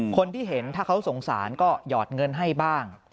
คนที่เห็นถ้าเขาสงสารก็หยอดเงินให้บ้าง